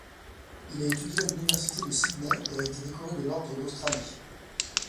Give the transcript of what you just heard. Il a étudié à l'université de Sydney et a été décoré de l'Ordre d'Australie.